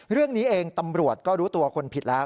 เรื่องนี้เองตำรวจก็รู้ตัวคนผิดแล้ว